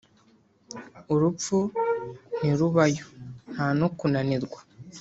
urupfu ntirubayo, nta no kunanirwa,